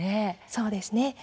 そうですね。